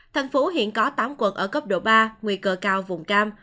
thành phố hiện có tám quận ở cấp độ ba nguy cơ cao vùng cam